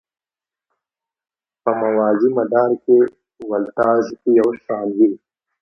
په موازي مدار کې ولتاژ یو شان وي.